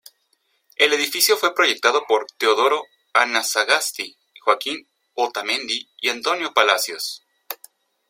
El edificio fue proyectado por Teodoro Anasagasti, Joaquín Otamendi y Antonio Palacios.